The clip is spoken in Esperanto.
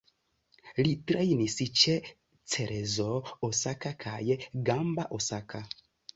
Li trejnis ĉe Cerezo Osaka kaj Gamba Osaka.